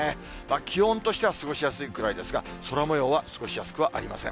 気温としては過ごしやすいぐらいですが、空もようは過ごしやすくはありません。